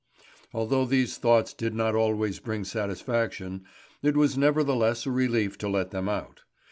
Although these thoughts did not always bring satisfaction, it was nevertheless a relief to let them out.